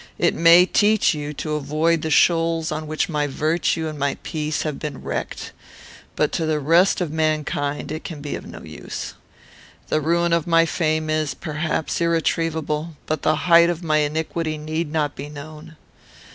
It may teach you to avoid the shoals on which my virtue and my peace have been wrecked; but to the rest of mankind it can be of no use. The ruin of my fame is, perhaps, irretrievable; but the height of my iniquity need not be known.